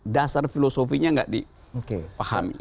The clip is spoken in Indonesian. dasar filosofinya tidak dipahami